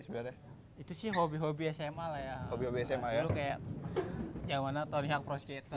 sebenarnya itu sih hobi hobi sma ya hobi hobi sma ya dulu kayak yang mana tony hawk pro skater